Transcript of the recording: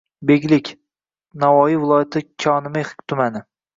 Beglik – q., Navoiy viloyati Kanimex tumani.